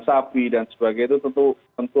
sapi dan sebagainya itu tentu